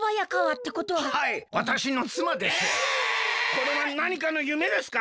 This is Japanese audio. これはなにかのゆめですか？